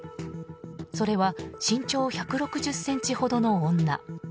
それは身長１６０ｃｍほどの女。